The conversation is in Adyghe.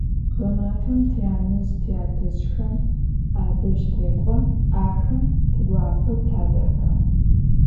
Ğemefem tyanezj - tyatezjxem adej tek'o, axem tiguapeu tade'epı'e.